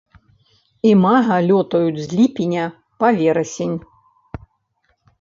Імага лётаюць з ліпеня па верасень.